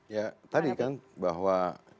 ya tadi kan bahwa